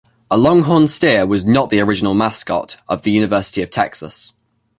A Longhorn steer was not the original mascot of the University of Texas.